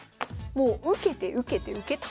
もう受けて受けて受け倒す。